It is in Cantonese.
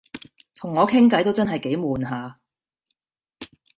同我傾偈都真係幾悶下